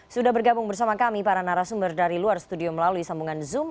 sudah bergabung bersama kami para narasumber dari luar studio melalui sambungan zoom